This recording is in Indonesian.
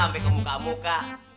sampai ke muka muka